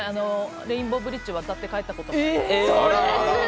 レインボーブリッジを渡って帰ったことも。